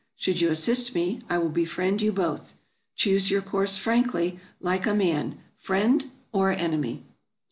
Should you assist me, I will befriend you both. Choose your course frankly, like a man — friend or enemy